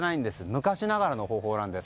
昔ながらの方法なんです。